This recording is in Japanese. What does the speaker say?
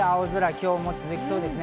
今日も続きそうですね。